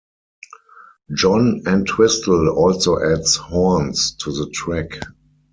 John Entwistle also adds horns to the track.